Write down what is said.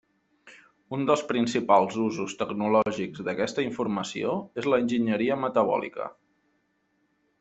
Un dels principals usos tecnològics d'aquesta informació és l'enginyeria metabòlica.